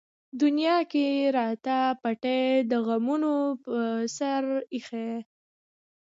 دنيا کۀ راته پېټے د غمونو پۀ سر اېښے